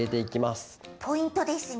ポイントですね。